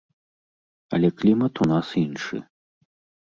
Але клімат у нас іншы.